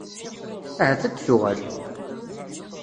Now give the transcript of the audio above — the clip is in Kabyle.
Ahat ad d-tuɣal?